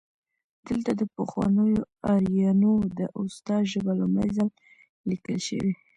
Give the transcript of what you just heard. دلته د پخوانیو آرینو د اوستا ژبه لومړی ځل لیکل شوې